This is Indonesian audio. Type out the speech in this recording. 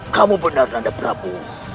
kamu benar nanda prabu